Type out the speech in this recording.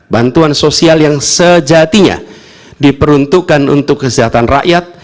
bantuan sosial yang sejatinya diperuntukkan untuk kesehatan rakyat